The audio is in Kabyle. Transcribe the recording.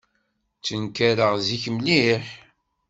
Ttenkareɣ zik mliḥ.